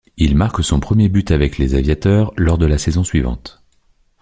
Il marque son premier but avec les Aviateurs lors de la saison suivante.